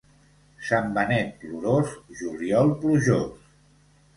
Sant Benet plorós, juliol plujós.